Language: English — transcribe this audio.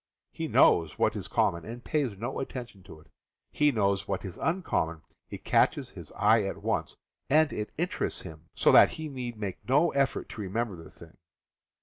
He knows what is common, and pays no attention to it; he knows what is uncommon, it catches his eye at once, and it interests him, so that he need make no effort to remember the thing.